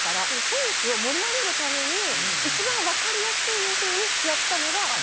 選手を盛り上げるために一番わかりやすい風にやったのが。